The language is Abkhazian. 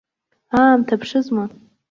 Аамҭа ԥшызма.